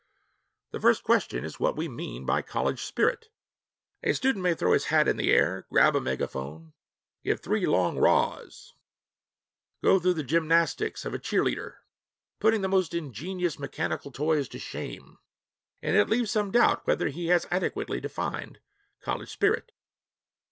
The first question is what we mean by college spirit. A student may throw his hat in the air, grab a megaphone, give 'three long rahs,' go through the gymnastics of a cheer leader, putting the most ingenious mechanical toys to shame, and yet leave some doubt whether he has adequately defined college spirit.